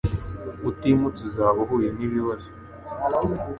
Utimutse uzaba uhuye n’ibibazo